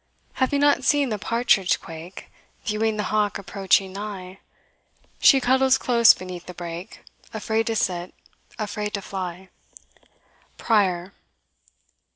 Have you not seen the partridge quake, Viewing the hawk approaching nigh? She cuddles close beneath the brake, Afraid to sit, afraid to fly, PRIOR.